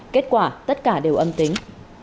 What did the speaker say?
kết quả tất cả đều âm tính